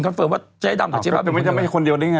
คอนเฟิร์มว่าเจ๊ดำกับเจ๊บ้าบิ่นคนเดียวกันไม่ใช่คนเดียวกันยังไง